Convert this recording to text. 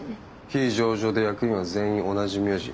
非上場で役員は全員同じ名字。